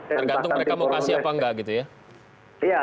tergantung mereka mau kasih apa enggak gitu ya